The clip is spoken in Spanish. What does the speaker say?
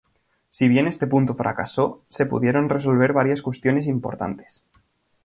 Si bien este punto fracasó, se pudieron resolver varias cuestiones importantes.